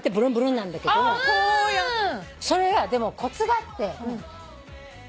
それがでもコツがあって。